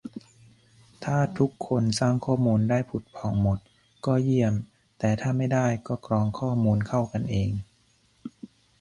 ถ้าทุกคนสร้างข้อมูลได้ผุดผ่องหมดก็เยี่ยม แต่ถ้าไม่ได้ก็กรองข้อมูลเข้ากันเอง